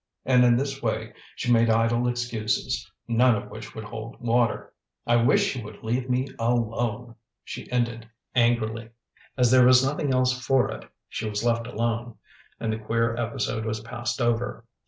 And in this way she made idle excuses, none of which would hold water. "I wish you would leave me alone," she ended, angrily. As there was nothing else for it, she was left alone, and the queer episode was passed over.